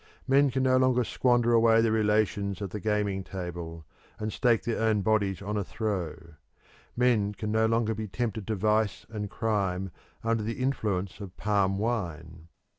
Men can no longer squander away their relations at the gaming table, and stake their own bodies on a throw. Men can no longer be tempted to vice and crime under the influence of palm wine.